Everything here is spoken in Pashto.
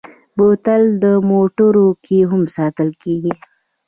بوتل د موټرو کې هم ساتل کېږي.